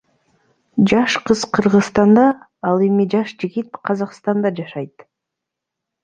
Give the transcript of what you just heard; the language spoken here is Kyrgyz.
Жаш кыз Кыргызстанда ал эми жаш жигит Казакстанда жашайт.